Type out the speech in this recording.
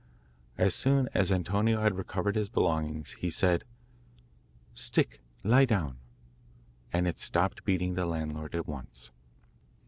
As soon as Antonio had recovered his belongings he said 'Stick, lie down,' and it stopped beating the landlord at once.